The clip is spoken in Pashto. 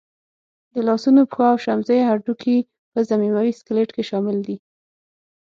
د لاسنونو، پښو او شمزۍ هډوکي په ضمیموي سکلېټ کې شامل دي.